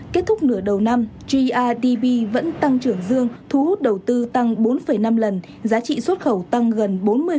kết thúc nửa đầu năm grdp vẫn tăng trưởng dương thu hút đầu tư tăng bốn năm lần giá trị xuất khẩu tăng gần bốn mươi